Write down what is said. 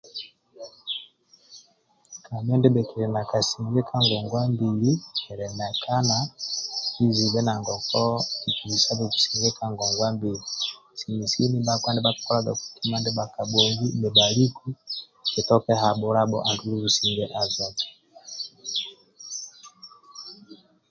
Kabha ndie bhikili na kasinge ka ngongwa mbili kili na ekana kizibe nagoku kibisabe kasinge ka ngongwa mbili sini sini bhakpa ndibha bhakikolaga kima ndibha kabhongi nibhaliku kitoke habhulabho andulu businge azoke